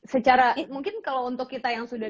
secara mungkin kalau untuk kita yang sudah